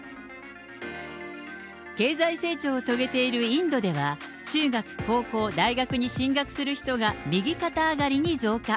経済成長を遂げているインドでは、中学、高校、大学に進学する人が右肩上がりに増加。